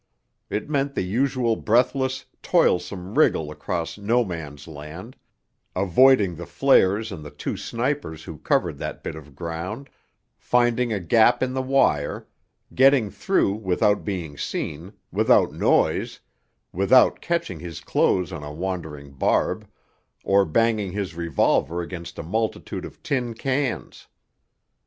It meant the usual breathless, toilsome wriggle across No Man's Land, avoiding the flares and the two snipers who covered that bit of ground, finding a gap in the wire, getting through without being seen, without noise, without catching his clothes on a wandering barb, or banging his revolver against a multitude of tin cans.